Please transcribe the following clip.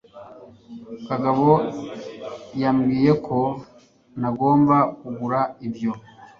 kagabo yambwiye ko ntagomba kugura ibyo